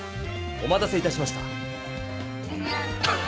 おまたせいたしました！